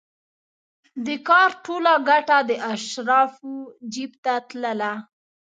د کار ټوله ګټه د اشرافو جېب ته تلله.